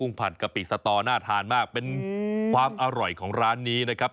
ผัดกะปิสตอน่าทานมากเป็นความอร่อยของร้านนี้นะครับ